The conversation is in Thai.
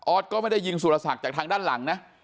ก็ไม่ได้ยิงสุรศักดิ์จากทางด้านหลังนะ